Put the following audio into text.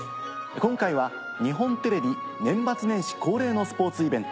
今回は日本テレビ年末年始恒例のスポーツイベント